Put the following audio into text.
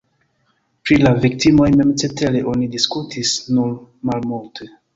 Pri la viktimoj mem, cetere, oni diskutis nur malmulte.